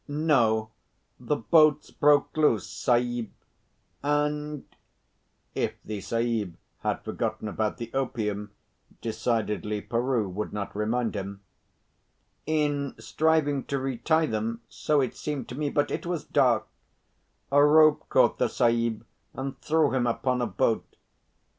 "No. The boats broke loose, Sahib, and," (if the Sahib had forgotten about the opium, decidedly Peroo would not remind him) "in striving to retie them, so it seemed to me but it was dark a rope caught the Sahib and threw him upon a boat.